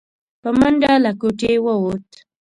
په منډه له کوټې ووت.